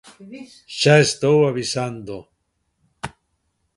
Xa estou avisando.